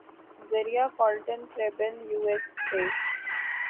ذریعہ فالٹن پریبن یوایساے